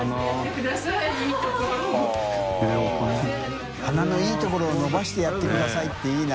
垢い泙擦鵝花のいいところを伸ばしてやってください」っていいな。